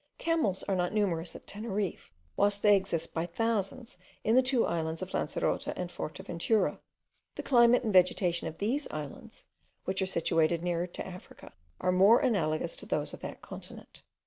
Camels are not numerous at Teneriffe, whilst they exist by thousands in the two islands of Lancerota and Forteventura; the climate and vegetation of these islands, which are situated nearer Africa, are more analogous to those of that continent.